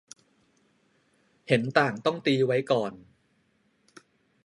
- เห็นต่างต้องตีไว้ก่อน